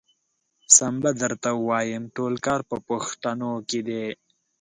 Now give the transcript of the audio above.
سم به درته ووايم ټول کار په پښتنو کې دی.